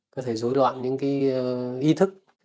có thể dối loạn những ý thức